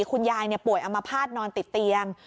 คุณยายป่วยอัมพาตนอนติดเตียง